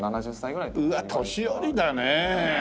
うわっ年寄りだねえ。